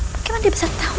bagaimana dia bisa tau